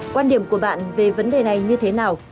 quan điểm của bạn về vấn đề này như thế nào